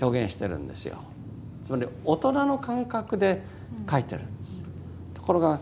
つまり大人の感覚で書いてるんです。